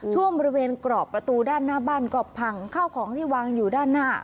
ช่วงบริเวณกรอบประตูด้านหน้าบ้านก็พังข้าวของที่วางอยู่ด้านหน้า